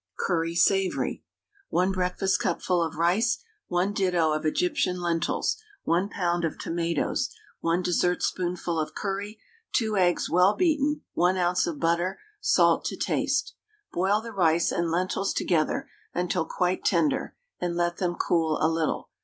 CURRY SAVOURY. 1 breakfastcupful of rice, 1 ditto of Egyptian lentils, 1 lb. of tomatoes, 1 dessertspoonful of curry, 2 eggs well beaten, 1 oz. of butter, salt to taste. Boil the rice and lentils together until quite tender, and let them cool a little.